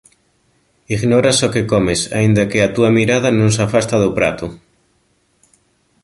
Ignoras o que comes aínda que a túa mirada non se afasta do prato.